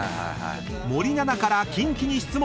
［森七菜からキンキに質問］